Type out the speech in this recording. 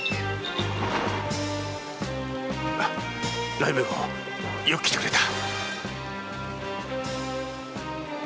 雷鳴号よく来てくれた。